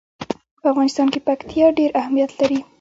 په افغانستان کې پکتیا ډېر اهمیت لري.